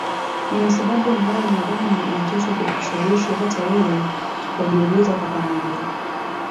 Nina sababu ambayo nadhani inatosha kukushawishi hata wewe tukajiuliza kwa pamoja